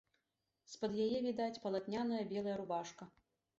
З-пад яе відаць палатняная белая рубашка.